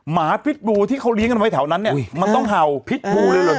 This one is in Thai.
หมาพิษบูที่เขาเลี้ยงกันไว้แถวนั้นเนี่ยมันต้องเห่าพิษบูเลยเหรอ